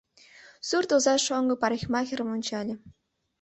Сурт оза шоҥго парикмахерым ончале.